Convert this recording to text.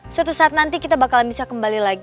suatu saat nanti kita bakal bisa kembali ke rumahnya ya